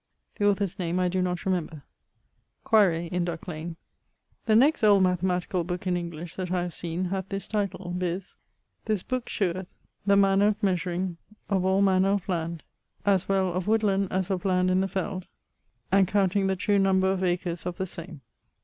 The author's name I doe not remember quaere in Duck lane. The next old mathematicall booke in English that I have seen hath this title, viz: This booke sheweth the manner of measuring of all manner of land, as well of woodland as of lande in the felde, and comptinge the true nombre of acres of the same.